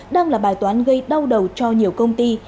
đang là bài toán gây đau đầu cho nhiều công ty